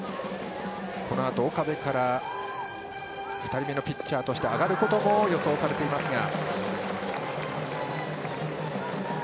このあと岡部から２人目のピッチャーとして上がることも予想されていますが。